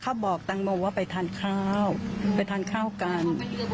บอกแตงโมว่าไปทานข้าวไปทานข้าวกัน